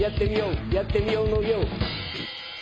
「やってみようのよう！」